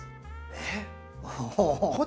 えっ？